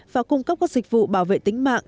và cung cấp các dịch vụ bảo vệ tính mạng